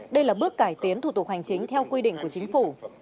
đây là bước cải tiến thủ tục hành chính theo quy định của chính phủ